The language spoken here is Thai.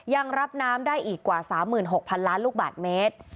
ยังรับน้ำได้อีกกว่า๓๖๐๐๐ล้านลูกบาทเมตร